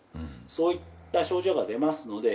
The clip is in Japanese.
そういった症状が出ますので